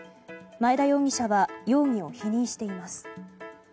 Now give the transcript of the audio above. マエダ容疑者は容疑を否認しています。